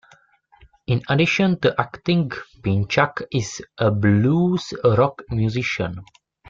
In addition to acting, Pinchak is a blues rock musician.